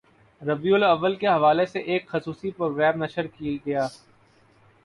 ربیع الاوّل کے حوالے سے ایک خصوصی پروگرام نشر کی گیا